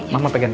kesya sama oma